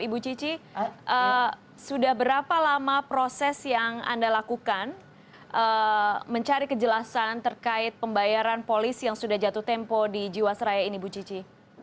ibu cici sudah berapa lama proses yang anda lakukan mencari kejelasan terkait pembayaran polis yang sudah jatuh tempo di jiwasraya ini ibu cici